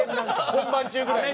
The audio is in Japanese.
本番中ぐらいね。